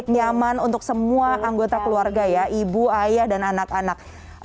nyaman untuk semua anggota keluarga ya ibu ayah dan anak anak